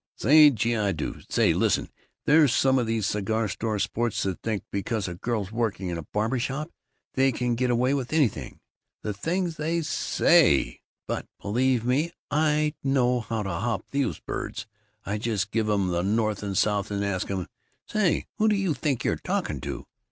"Say, gee, do I! Say, listen, there's some of these cigar store sports that think because a girl's working in a barber shop, they can get away with anything. The things they saaaaaay! But, believe me, I know how to hop those birds! I just give um the north and south and ask um, 'Say, who do you think you're talking to?